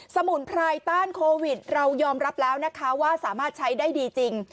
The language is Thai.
สมุนไพรต้านโควิดเรายอมรับแล้วนะคะว่าสามารถใช้ได้ดีจริง